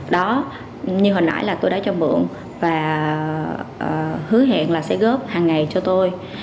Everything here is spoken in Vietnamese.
đó như hồi nãi là tôi đã cho mượn và hứa hẹn là sẽ góp hàng ngày cho tôi